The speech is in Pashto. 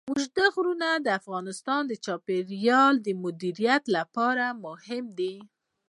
اوږده غرونه د افغانستان د چاپیریال د مدیریت لپاره مهم دي.